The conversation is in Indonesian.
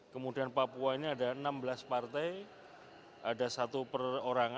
kemudian papua ini ada enam belas partai